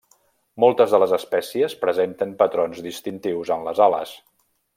Moltes de les espècies presenten patrons distintius en les ales.